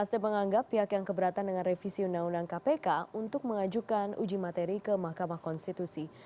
nasdem menganggap pihak yang keberatan dengan revisi undang undang kpk untuk mengajukan uji materi ke mahkamah konstitusi